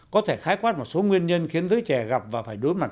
có thể khái quát một số nguyên nhân khiến giới trẻ gặp và phải đối mặt